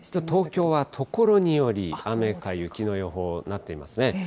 東京は所により雨か雪の予報になっていますね。